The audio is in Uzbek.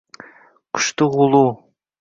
Quchdi g’ulu